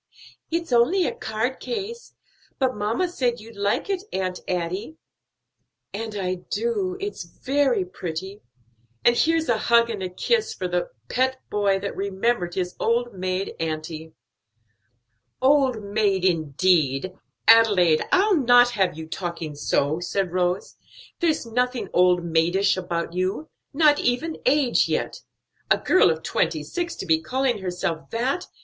"It's only a card case; but mamma said you'd like it, Aunt Adie." "And I do; it's very pretty. And here's a hug and a kiss for the pet boy that remembered his old maid auntie." "Old maid, indeed! Adelaide, I'll not have you talking so," said Rose. "There's nothing old maidish about you; not even age yet; a girl of twenty six to be calling herself that!